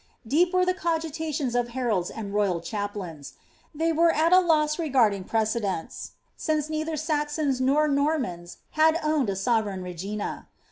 Deep were the cogitations of heralds and royal chamberlains; they were at a loss regarding precedents, since neither Saxons nor Normans had owned a sovereign regina.